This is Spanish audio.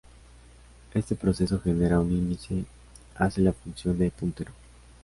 Este proceso genera un índice, hace la función de puntero.